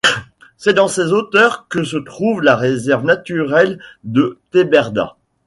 C'est dans ses hauteurs que se trouve la réserve naturelle de Teberda.